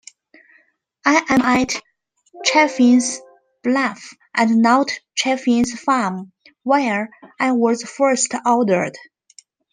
I am at Chaffin's Bluff and not Chaffin's Farm, where I was first ordered.